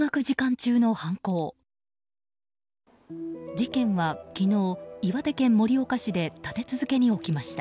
事件は昨日、岩手県盛岡市で立て続けに起きました。